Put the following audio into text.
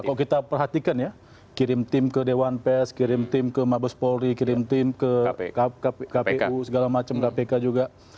kalau kita perhatikan ya kirim tim ke dewan pes kirim tim ke mabes polri kirim tim ke kpu segala macam kpk juga